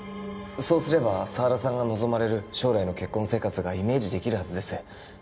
そうすれば沢田さんが望まれる将来の結婚生活がイメージできるはずです